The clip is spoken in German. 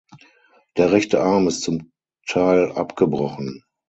Der rechte Arm ist zum Teil abgebrochen.